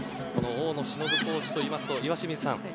大野忍コーチといいますと岩清水さん